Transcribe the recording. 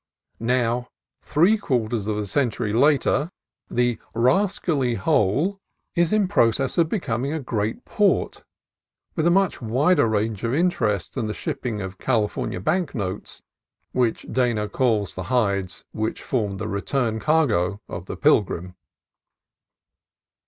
Now, three quarters of a century later, the "rascally hole" is 60 CALIFORNIA COAST TRAILS in process of becoming a great port, with a much wider range of interests than the shipping of "Cali fornia bank notes" (as Dana calls the hides which formed the return cargo of the Pilgrim).